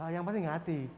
yang penting hati